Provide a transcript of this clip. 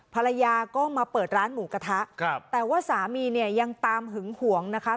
ภรรยาก็มาเปิดร้านหมูกระทะครับแต่ว่าสามีเนี่ยยังตามหึงหวงนะคะ